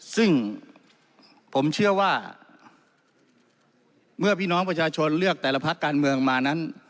ซึ่งผมเชื่อว่าเมื่อพี่น้องประชาชนเลือกแต่ละพักการเมืองมานั้น